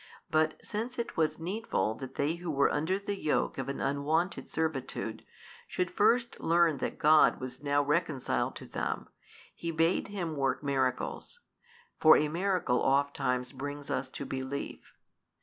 But since it was needful that they who were under the yoke of an unwonted servitude, should first learn that God was now reconciled to them, He bade him work miracles: for a miracle |204 oft time brings us to belief.